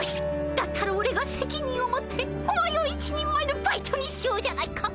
だったらおれがせきにんを持ってお前を一人前のバイトにしようじゃないか。